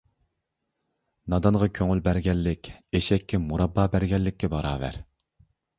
نادانغا كۆڭۈل بەرگەنلىك، ئېشەككە مۇراببا بەرگەنلىككە باراۋەر.